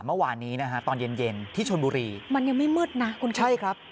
เมื่อวานนี้นะฮะตอนเย็นเย็นที่ชนบุรีมันยังไม่มืดนะคุณใช่ครับ